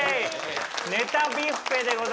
ネタビュッフェでございます。